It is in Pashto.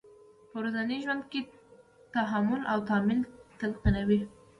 په ورځني ژوند کې تحمل او تامل تلقینوي.